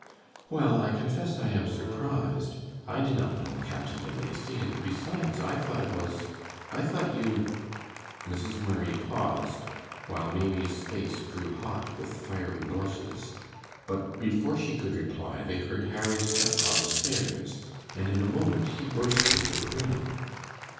"Well, I confess I am surprised. I do not know Captain De Lacy, and besides I thought it was I thought you " Mrs. Murray paused, while Maimie's face grew hot with fiery blushes, but before she could reply they heard Harry's step on the stairs, and in a moment he burst into the room.